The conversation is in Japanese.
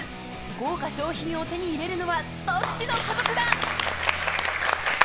豪華賞品を手に入れるのはどっちの家族だ！